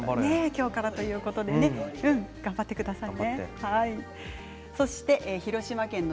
今日からということでね頑張ってください。